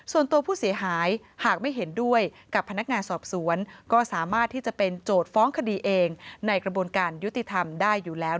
ส่วนตัวผู้เสียหายหากไม่เห็นด้วยกับพนักงานสอบสวนก็สามารถที่จะเป็นโจทย์ฟ้องคดีเองในกระบวนการยุติธรรมได้อยู่แล้ว